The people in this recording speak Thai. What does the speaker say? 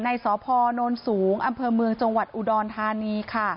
ในศพนสูงอำเภอเมืองจวดอูดอนทานี